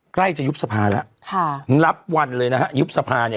ใกล้จะยุบสภาแล้วค่ะนับวันเลยนะฮะยุบสภาเนี่ย